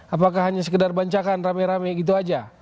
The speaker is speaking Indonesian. apakah hanya sekedar bancakan rame rame gitu aja